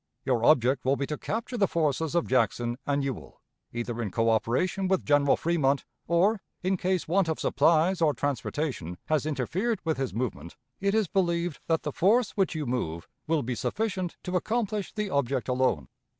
Your object will be to capture the forces of Jackson and Ewell, either in coöperation with General Fremont, or, in case want of supplies or transportation has interfered with his movement, it is believed that the force which you move will be sufficient to accomplish the object alone.